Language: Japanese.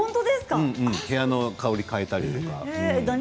部屋の香りを変えたり。